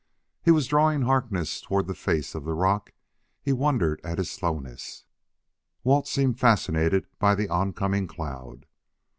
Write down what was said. He was drawing Harkness toward the face of the rock; he wondered at his slowness. Walt seemed fascinated by the oncoming cloud.